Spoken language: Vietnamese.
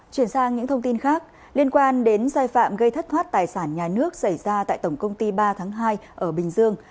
chuyển sang những thông tin khác liên quan đến sai phạm gây thất thoát tài sản nhà nước xảy ra tại tổng công ty ba tháng hai ở bình dương